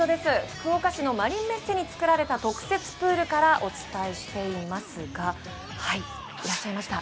福岡のマリンメッセに作られた特設プールからお伝えしていますがいらっしゃいました。